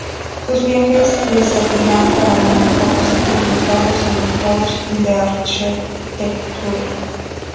Sus viajes le servirán para unos pocos ejemplos dados en el "Cours d'Architecture…".